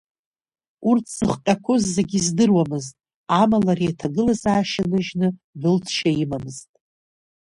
Урҭ зыхҟьақәоз зегьы издыруамызт, амала ари аҭагылазаашьа ныжьны дәылҵшьа имамызт.